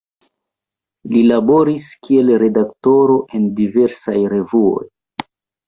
Li laboris kiel redaktoro en diversaj revuoj.